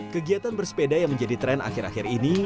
kegiatan bersepeda yang menjadi tren akhir akhir ini